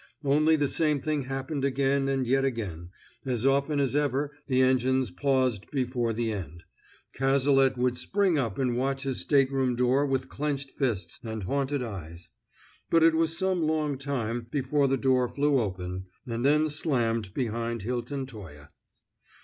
Only the same thing happened again and yet again, as often as ever the engines paused before the end. Cazalet would spring up and watch his stateroom door with clenched fists and haunted eyes. But it was some long time before the door flew open, and then slammed behind Hilton Toye.